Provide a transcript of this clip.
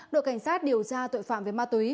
đội cảnh sát điều tra tội phạm về ma túy